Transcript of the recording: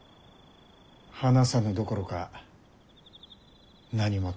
話さぬどころか何も食べぬ。